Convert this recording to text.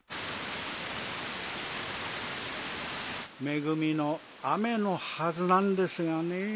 めぐみの雨のはずなんですがねぇ。